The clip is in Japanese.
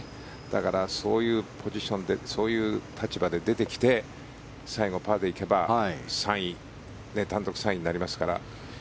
だから、そういうポジションでそういう立場で出てきて最後、パーで行けば単独３位になりますから。